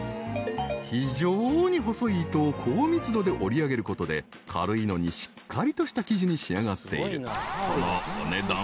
［非常に細い糸を高密度で織り上げることで軽いのにしっかりとした生地に仕上がっている］